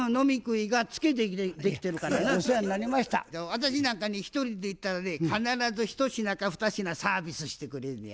私なんかね１人で行ったらね必ず１品か２品サービスしてくれんのや。